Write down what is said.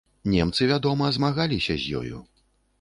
Немцы, вядома, змагаліся з ёю.